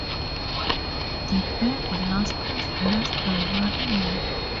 The band lasted less than one year.